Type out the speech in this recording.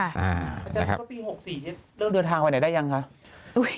พระเจ้าก็ปี๖๔เริ่มเดินทางไปไหนได้ยังคะ